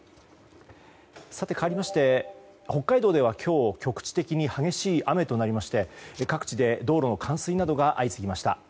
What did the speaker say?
かわりまして、北海道では今日局地的に激しい雨となりまして各地で道路の冠水などが相次ぎました。